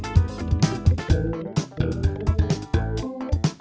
วันที่๒๒นหนึ่ง